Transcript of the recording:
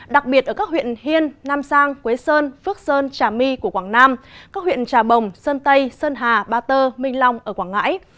đặc biệt ở các huyện hiên nam sang quế sơn phước sơn trà my của quảng nam các huyện trà bồng sơn tây sơn hà ba tơ minh long ở quảng ngãi